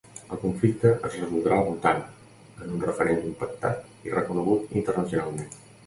El conflicte es resoldrà votant en un referèndum pactat i reconegut internacionalment.